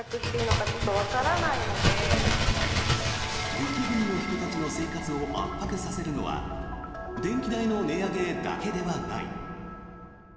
雪国の人たちの生活を圧迫させるのは電気代の値上げだけではない。